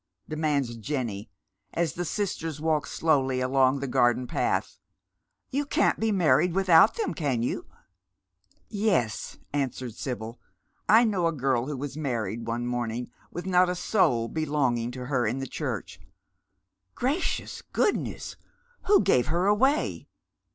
demands Jenny, as the sisters walk slowly along tlio gardcij path. '' You can't be married without them, can y^ou ?" Half Confidence. 135 •*Te8," answers Sibyl ;" I know a girl who was married one morning with not a soul belonging to her in the church." " Gracious goodness ! Who gave her away